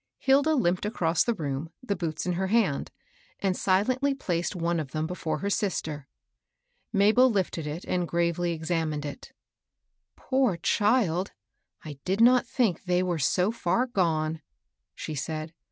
Hilda limped across the room, the boots in her hand, and silently placed one of them before her sister. Mabel lifted and gravely examined it. *' Poor child I I did not think they were so far gone," she said.